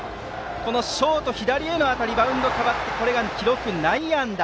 ショート左への当たりバウンドが変わって記録、内野安打。